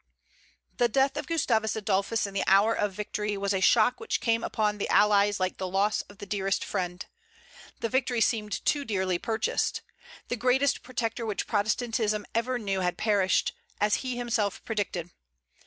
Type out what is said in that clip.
The death of Gustavus Adolphus in the hour of victory was a shock which came upon the allies like the loss of the dearest friend. The victory seemed too dearly purchased. The greatest protector which Protestantism ever knew had perished, as he himself predicted.